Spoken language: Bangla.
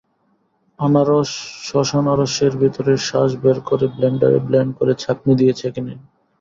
আনারস সসআনারসের ভেতরের শাঁস বের করে ব্লেন্ডারে ব্লেন্ড করে ছাঁকনি দিয়ে ছেঁকে নিন।